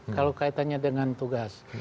kalau kaitannya dengan tugas